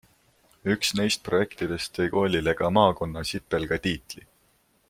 Üks neist projektidest tõi koolile ka Maakonnasipelga tiitli.